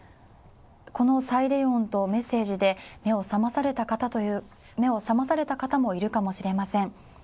このサイレン音とメッセージで目を覚まされた方もいるかもしれません。